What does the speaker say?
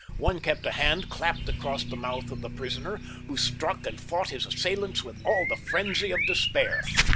One kept a hand clapped across the mouth of the prisoner, who struck and fought his assailants with all the frenzy of despair.